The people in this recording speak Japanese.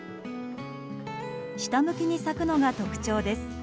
下向きに咲くのが特徴です。